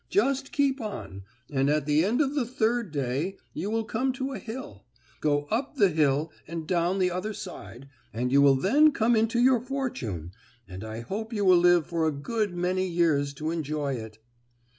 Just keep on, and at the end of the third day you will come to a hill. Go up the hill, and down the other side, and you will then come into your fortune, and I hope you will live for a good many years to enjoy it."